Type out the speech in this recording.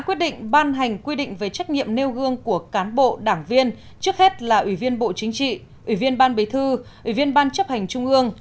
quyết định ban hành quy định về trách nhiệm nêu gương của cán bộ đảng viên trước hết là ủy viên bộ chính trị ủy viên ban bí thư ủy viên ban chấp hành trung ương